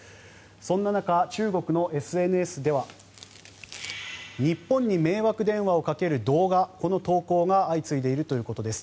そんな中、中国のＳＮＳでは日本に迷惑電話をかける動画この投稿が相次いでいるということです。